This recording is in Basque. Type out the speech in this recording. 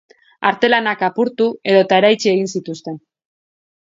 Artelanak apurtu edota eraitsi egin zituzten.